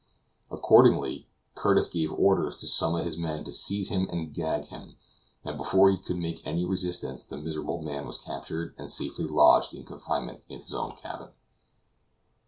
Accordingly Curtis gave orders to some of his men to seize him and gag him; and before he could make any resistance the miserable man was captured and safely lodged in confinement in his own cabin.